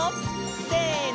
せの！